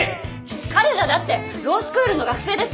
彼らだってロースクールの学生です！